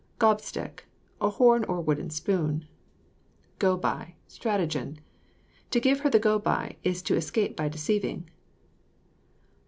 GOB STICK. A horn or wooden spoon. GO BY. Stratagem. To give her the go by, is to escape by deceiving.